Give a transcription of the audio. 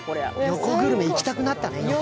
横グルメ、行きたくなったね。